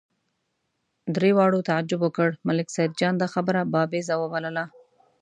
درې واړو تعجب وکړ، ملک سیدجان دا خبره بابېزه وبلله.